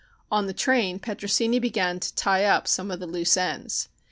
On the train Petrosini began to tie up some of the loose ends.